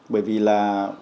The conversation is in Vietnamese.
bởi vì là